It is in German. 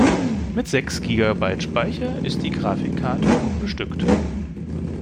Mit sechs Gigabyte Speicher ist die Grafikkarte gut bestückt.